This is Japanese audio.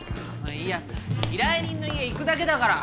いや依頼人の家行くだけだから。